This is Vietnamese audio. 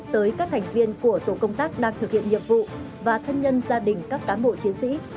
tới các thành viên của tổ công tác đang thực hiện nhiệm vụ và thân nhân gia đình các cán bộ chiến sĩ